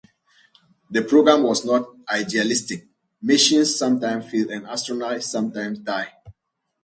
The program was not idealistic; missions sometimes failed and astronauts sometimes died.